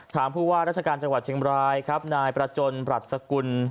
ผู้ว่าราชการจังหวัดเชียงบรายครับนายประจนปรัชสกุล